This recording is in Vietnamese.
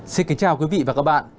xin kính chào quý vị và các bạn